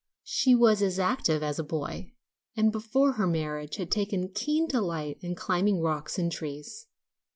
She was as active as a boy, and before her marriage had taken keen delight in climbing rocks and trees.